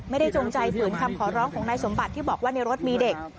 จงใจฝืนคำขอร้องของนายสมบัติที่บอกว่าในรถมีเด็ก